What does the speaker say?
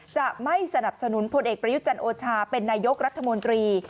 จะไม่สนับสนุนพลเอกประยุจันโอชาเป็นนายกรัฐมนตรี